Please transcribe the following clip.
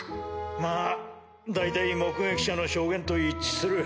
まぁ大体目撃者の証言と一致する。